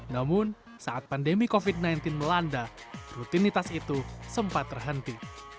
namun saat pandemi covid sembilan belas melanda rutinitas itu sempat terhenti